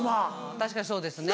確かにそうですね。